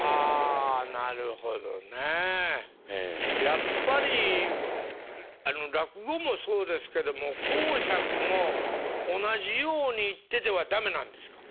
やっぱり落語もそうですけども講釈も同じように言ってては駄目なんですか。